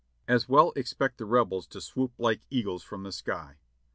As well expect the Rebels to swoop like eagles from the sky.